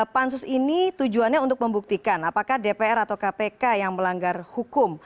pansus ini tujuannya untuk membuktikan apakah dpr atau kpk yang melanggar hukum